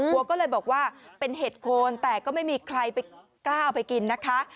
วัวก็เลยบอกว่าเป็นเห็ดโคนแต่ก็ไม่มีใครไปกล้าเอาไปกินนะคะ